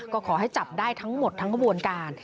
ก็ขอให้จับได้ทั้งหมดทั้งกระบวนการ